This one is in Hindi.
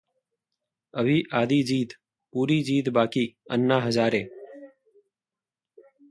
अभी आधी जीत, पूरी जीत बाकी: अन्ना हजारे